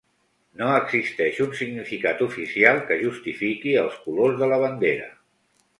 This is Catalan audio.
No existeix un significat oficial que justifiqui els colors de la bandera.